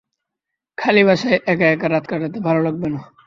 খালি বাসায় এক-একা রাত কাটাতে ভালো লাগবে না।